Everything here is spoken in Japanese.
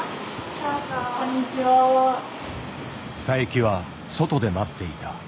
佐伯は外で待っていた。